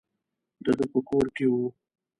د ده په کور کې وو.